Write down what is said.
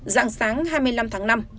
dạng sáng hai mươi năm tháng năm